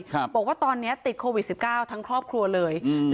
บอกว่าตอนเนี้ยติดโควิดสิบเก้าทั้งครอบครัวเลยอืม